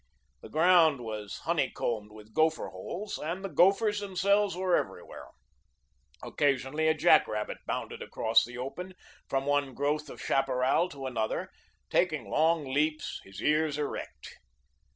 The ground was honey combed with gopher holes, and the gophers themselves were everywhere. Occasionally a jack rabbit bounded across the open, from one growth of chaparral to another, taking long leaps, his ears erect.